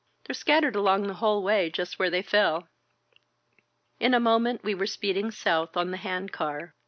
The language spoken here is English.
They're scattered along the whole way just where they fell." In a moment we were speeding south on the hand car.